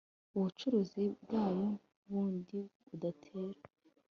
ubucuruzi bwayo bundi budatera